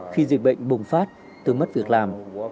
khi dịch bệnh bùng phát tôi mất việc làm